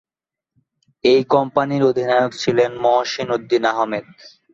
এই কোম্পানির অধিনায়ক ছিলেন মহসীন উদ্দীন আহমেদ।